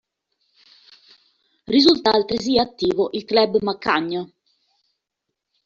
Risulta altresì attivo il club "Maccagno".